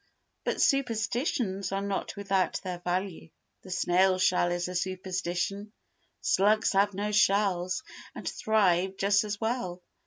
But superstitions are not without their value. The snail's shell is a superstition, slugs have no shells and thrive just as well.